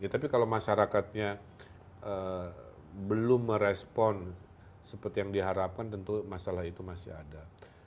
tapi kalau masyarakatnya belum merespon seperti yang diharapkan tentu masalah itu masih ada